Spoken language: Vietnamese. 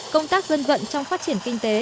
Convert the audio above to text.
công tác dân vận trong phát triển kinh tế